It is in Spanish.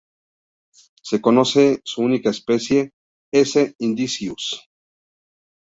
Se conoce una única especie, "S.indicus.